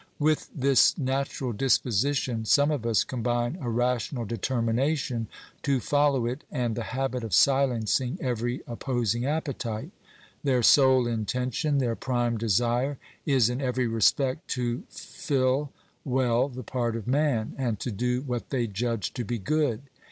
With this natural disposition some of us combine a rational determination to follow it and the habit of silencing every opposing appetite ; their sole intention, their prime desire, is in every respect to fill well the part of man, and to do what they judge to be good.